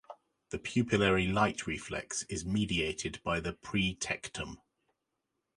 The pupillary light reflex is mediated by the pretectum.